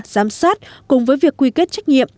giám sát cùng với việc quy kết trách nhiệm